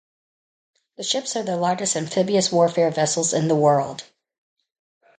The ships are the largest amphibious warfare vessels in the world.